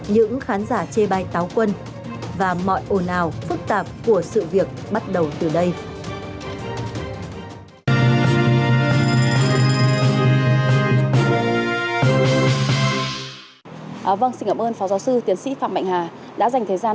những khán giả chê bai táo quân và mọi ồn ào phức tạp của sự việc bắt đầu từ đây